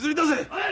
はい！